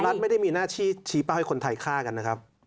รัฐไม่ได้มีหน้าที่ชี้เป้าให้คนไทยฆ่ากันนะครับ